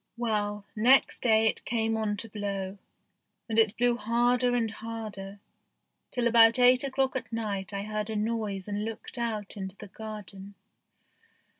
Well, next day it came on to blow, and it blew harder and harder, till about eight o'clock at night I heard a noise and looked out into the garden.